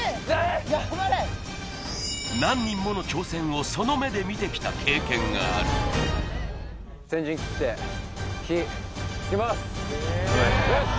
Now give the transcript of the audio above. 頑張れ何人もの挑戦をその目で見てきた経験があるよし！